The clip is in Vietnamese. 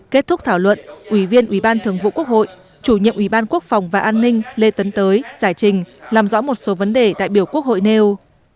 kết thúc thảo luận ủy viên ủy ban thường vụ quốc hội chủ nhiệm ủy ban quốc phòng và an ninh lê tấn tới giải trình làm rõ một số vấn đề đại biểu quốc hội nêu